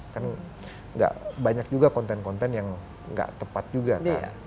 kan gak banyak juga konten konten yang nggak tepat juga kan